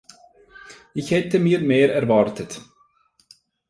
Ich hätte mir mehr erwartet!